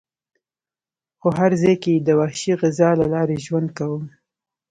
خو هر ځای کې یې د وحشي غذا له لارې ژوند کاوه.